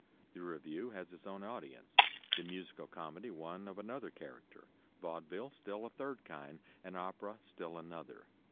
The revue has its own audience, the musical comedy one of another character, vaudeville still a third kind, and opera still another.